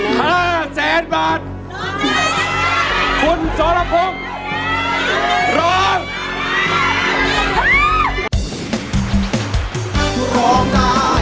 ห้าแสนบาทคุณโสรภุมร้อง